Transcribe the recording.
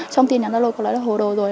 trong tin nhắn giao lộ có nói là hồ đồ rồi